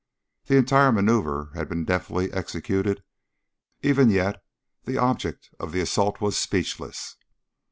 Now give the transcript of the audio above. The entire maneuver had been deftly executed, even yet the object of the assault was speechless.